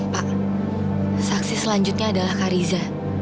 pak saksi selanjutnya adalah kak riza